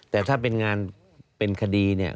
แต่ถ้าเป็นงานเป็นคดีเนี่ย